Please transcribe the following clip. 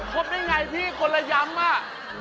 เขาได้ยังไงพี่คนละยำ